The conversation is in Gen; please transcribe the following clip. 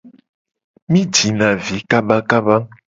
Mi jina vi kabakaba.